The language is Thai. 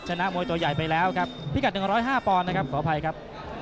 ชนะมวยตัวใหญ่ไปแล้วครับพิกัด๑๐๕ปอนด์นะครับขออภัยครับ